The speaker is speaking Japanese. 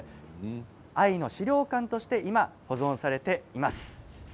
藍の資料館として今、保存されています。